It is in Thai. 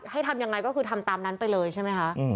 ทำยังไงก็คือทำตามนั้นไปเลยใช่ไหมคะ